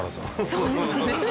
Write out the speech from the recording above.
そうですね。